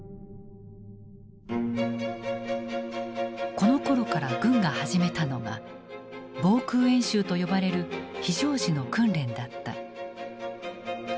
このころから軍が始めたのが「防空演習」と呼ばれる非常時の訓練だった。